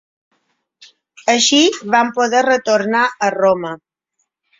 Així van poder retornar a Roma.